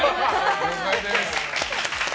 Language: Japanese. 了解です。